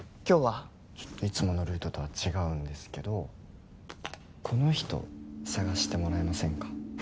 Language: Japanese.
ちょっといつものルートとは違うんですけどこの人捜してもらえませんか？